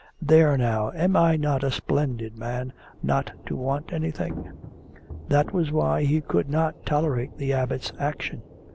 'There now, am I not a splendid man not to want anything?' That was why he could not tolerate the Abbot's action.